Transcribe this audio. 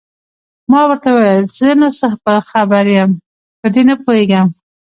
ما ورته وویل: زه نو څه په خبر یم، په دې نه پوهېږم.